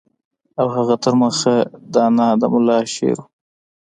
او هغه تر مخه دانه د ملا شعر وو.